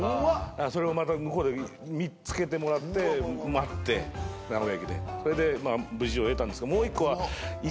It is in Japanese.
それをまた向こうで見つけてもらって待って名古屋駅でそれで無事を得たんですがもう１個は。